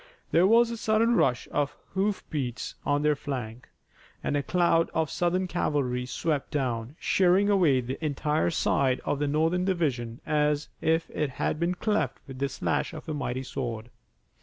There was a sudden rush of hoofbeats on their flank, and a cloud of Southern cavalry swept down, shearing away the entire side of the Northern division as if it had been cleft with the slash of a mighty sword.